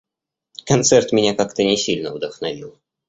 Концерт меня как-то не сильно вдохновил.